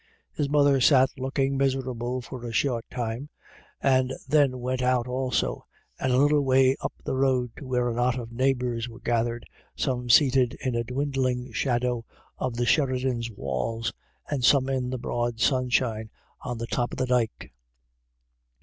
His mother sat looking miserable for a short 174 IRISH IDYLLS. time, and then went out also, and a little way up the road to where a knot of neighbours were gathered, some seated in the dwindling shadow of the Sheridans' walls, and some in the broad sun shine on the top of the dyke.